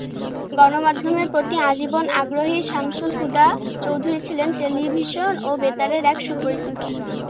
গণমাধ্যমের প্রতি আজীবন আগ্রহী শামসুল হুদা চৌধুরী ছিলেন টেলিভিশন ও বেতারের এক সুপরিচিত।